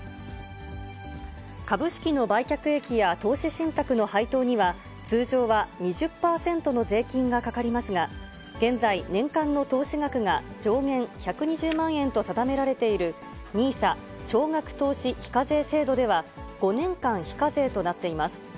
株式の売却益や投資信託の配当には、通常は２０％の税金がかかりますが、現在、年間の投資額が上限１２０万円と定められている、ＮＩＳＡ・少額投資非課税制度では、５年間非課税となっています。